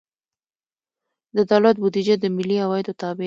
د دولت بودیجه د ملي عوایدو تابع ده.